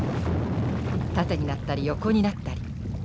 縦になったり横になったり。